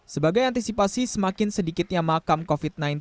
sebagai antisipasi semakin sedikitnya makam covid sembilan belas